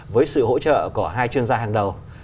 với sự hỗ trợ của hai chuyên gia hàng đầu